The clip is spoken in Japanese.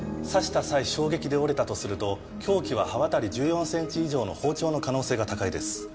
刺した際衝撃で折れたとすると凶器は刃渡り１４ｃｍ以上の包丁の可能性が高いです。